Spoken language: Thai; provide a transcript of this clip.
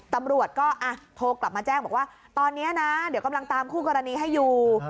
ตำรวจก็โทรกลับมาแจ้งบอกว่าตอนนี้นะเดี๋ยวกำลังตามคู่กรณีให้อยู่